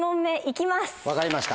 分かりました。